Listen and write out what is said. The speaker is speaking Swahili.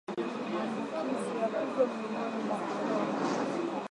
Maambukizi ya figo miongoni mwa kondoo